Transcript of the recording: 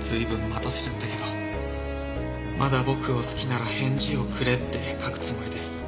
随分待たせちゃったけど「まだ僕を好きなら返事をくれ」って書くつもりです。